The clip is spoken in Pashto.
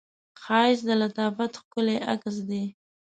ښایست د لطافت ښکلی عکس دی